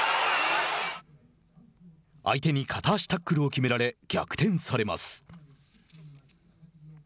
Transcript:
相手に片足タックルを決められ逆転されます。